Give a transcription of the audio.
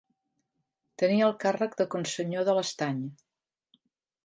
Tenia el càrrec de consenyor de l'Estany.